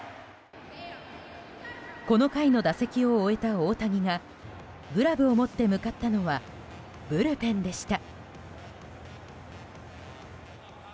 この回の打席を終えた大谷がグラブを持って向かったのはブルペンでした。